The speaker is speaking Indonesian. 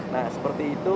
nah seperti itu